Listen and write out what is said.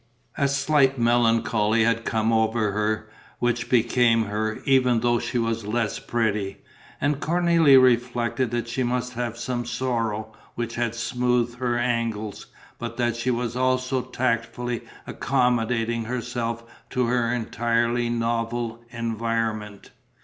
A slight melancholy had come over her, which became her, even though she was less pretty. And Cornélie reflected that she must have some sorrow, which had smoothed her angles, but that she was also tactfully accommodating herself to her entirely novel environment.